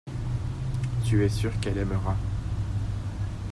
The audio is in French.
tu es sûr qu'elle aimera.